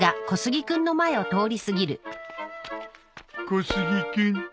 小杉君。